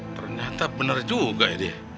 ternyata bener juga ya dia